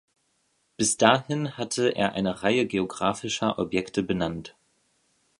Bis dahin hatte er eine Reihe geographischer Objekte benannt.